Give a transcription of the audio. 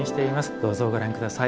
どうぞご覧下さい。